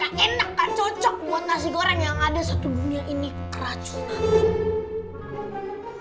nah enak kan cocok buat nasi goreng yang ada satu dunia ini keracunan